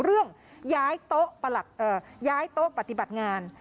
เรื่องย้ายโต๊ะประหลักเอ่อย้ายโต๊ะปฏิบัติงาน